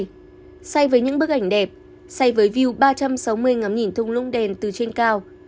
thay với những bức ảnh đẹp say với view ba trăm sáu mươi ngắm nhìn thung lũng đèn từ trên cao